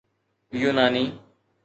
يوناني